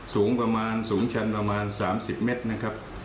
สูงประมาณสูงชั้นประมาณ๓๐เมตรนะครับ